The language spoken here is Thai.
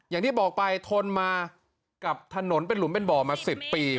อย่างที่บอกไปทนมากับถนนเป็นหลุมเป็นบ่อมา๑๐ปี